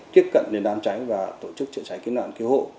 tiếp cận đến đám cháy và tổ chức chữa cháy kinh đoàn cứu hộ